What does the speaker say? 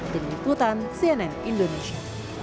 deni putan cnn indonesia